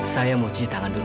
saya mau cuci tangan dulu